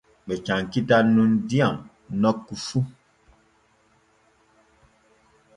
Ɓe cankitan nun diyam nokku fu.